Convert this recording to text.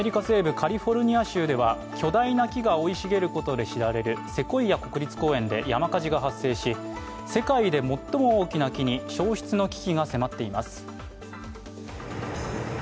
カリフォルニア州では巨大な木が生い茂ることで知られるセコイア国立公園で山火事が発生し世界で最も大きな木に焼失の危機が迫っています。